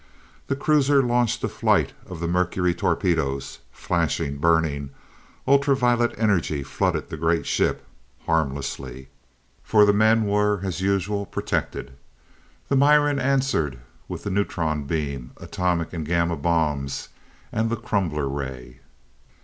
The cruiser launched a flight of the mercury torpedoes. Flashing, burning, ultra violet energy flooded the great ship, harmlessly, for the men were, as usual, protected. The Miran answered with the neutron beam, atomic and gamma bombs and the crumbler ray.